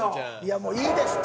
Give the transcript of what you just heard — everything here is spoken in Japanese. もう、いいですって